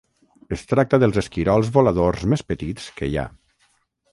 Es tracta dels esquirols voladors més petits que hi ha.